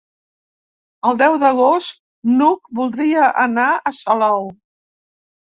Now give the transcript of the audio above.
El deu d'agost n'Hug voldria anar a Salou.